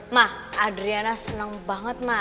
ma adriana seneng banget